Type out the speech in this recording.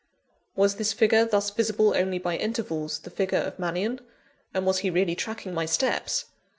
Was this figure, thus visible only by intervals, the figure of Mannion? and was he really tracking my steps?